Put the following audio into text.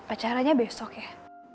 acaranya besok ya